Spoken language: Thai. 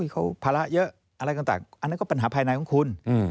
ก็เป็นปัญหาภายในของคุณ